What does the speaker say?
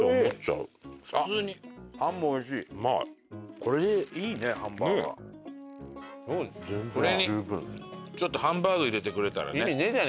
「これにちょっとハンバーグ入れてくれたらね」